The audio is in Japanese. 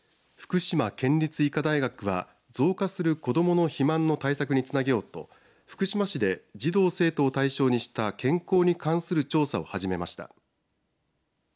福島県立医科大学は増加する子どもの肥満の対策につなげようと福島市で児童、生徒を対象にした健康に関する調査を始めました。